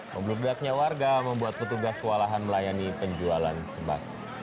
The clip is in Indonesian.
membelut belatnya warga membuat petugas kewalahan melayani penjualan sembako